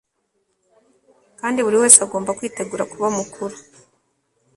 kandi buri wese agomba kwitegura kuba mukuru